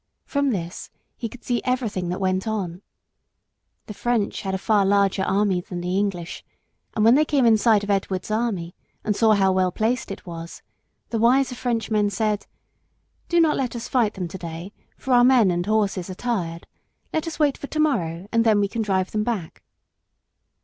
From this he could see everything that went on. The French had a far larger army than the English, and when they came in sight of Edward's army and saw how well placed it was, the wiser Frenchmen said, "Do not let us fight them to day, for our men and horses are tired. Let us wait for to morrow and then we can drive them back."